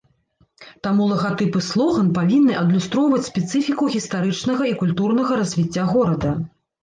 Таму лагатып і слоган павінны адлюстроўваць спецыфіку гістарычнага і культурнага развіцця горада.